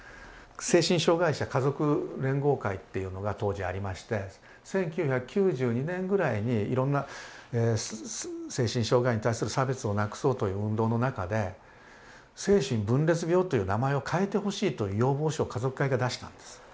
精神障害者家族連合会っていうのが当時ありまして１９９２年ぐらいにいろんな精神障害に対する差別をなくそうという運動の中で精神分裂病という名前を変えてほしいという要望書を家族会が出したんです。